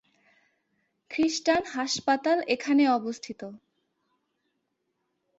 খ্রিস্টান হাসপাতাল এখানে অবস্থিত।